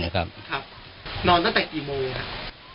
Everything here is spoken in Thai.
นอนตั้งแต่กี่โมง